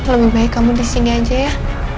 lebih baik kamu di sini aja ya